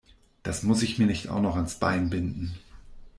Das muss ich mir nicht auch noch ans Bein binden.